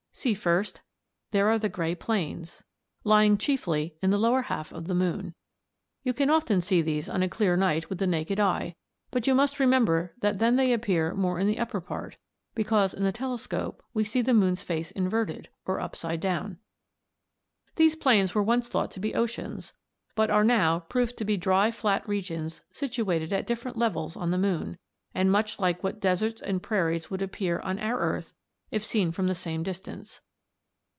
See first, there are the grey plains (A, C, G, etc.) lying chiefly in the lower half of the moon. You can often see these on a clear night with the naked eye, but you must remember that then they appear more in the upper part, because in the telescope we see the moon's face inverted or upside down. "These plains were once thought to be oceans, but are now proved to be dry flat regions situated at different levels on the moon, and much like what deserts and prairies would appear on our earth if seen from the same distance.